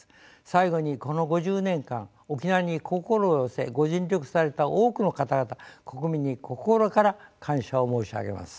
最後にこの５０年間沖縄に心を寄せご尽力された多くの方々国民に心から感謝を申し上げます。